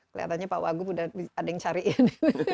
kelihatannya pak wagub udah ading cariin